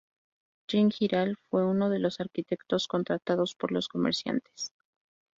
Jean Giral fue uno de los arquitectos contratados por los comerciantes.